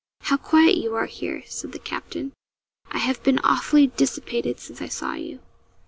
'How quiet you are here,' said the captain. 'I have been awfully dissipated since I saw you.'